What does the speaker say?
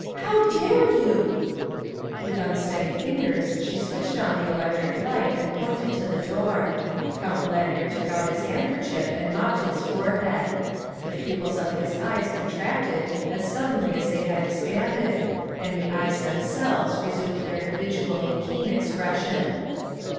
'' How dare you ?'' 116 THE WIFE OF With unsteady fingers she switched on the electric light and pointed to the door. Count Valdmir took out his handkerchief and mopped his forehead. The pupils of his eyes contracted as suddenly as they had expanded, and the eyes themselves resumed their habitually keen expression.